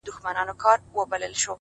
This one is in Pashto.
ستا په ليدو مي ژوند د مرگ سره ډغري وهي،